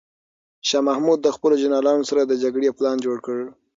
شاه محمود د خپلو جنرالانو سره د جګړې پلان جوړ کړ.